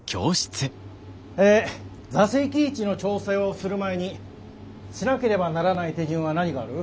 え座席位置の調整をする前にしなければならない手順は何がある？